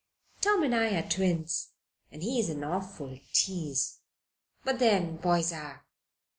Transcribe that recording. Tom and I are twins and he is an awful tease! But, then, boys are.